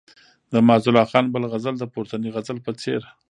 د معزالله خان بل غزل د پورتني غزل په څېر.